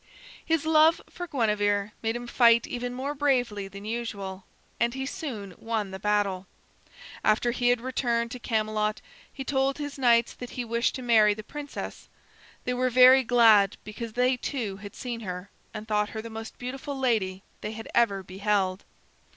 His love for Guinevere made him fight even more bravely than usual, and he soon won the battle. After he had returned to Camelot, he told his knights that he wished to marry the princess. They were very glad, because they, too, had seen her and thought her the most beautiful lady they had ever beheld.